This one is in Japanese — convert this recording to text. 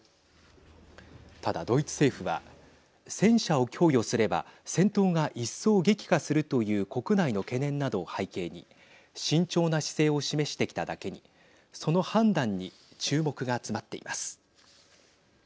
ただ、ドイツ政府は戦車を供与すれば戦闘が一層激化するという国内の懸念などを背景に慎重な姿勢を示してきただけにその判断に注目が集まっています。